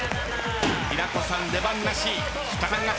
平子さん出番なし。